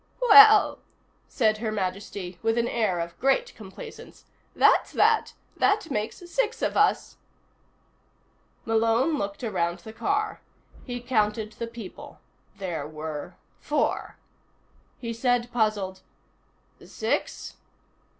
"Well," said Her Majesty with an air of great complacence, "that's that. That makes six of us." Malone looked around the car. He counted the people. There were four. He said, puzzled: "Six?"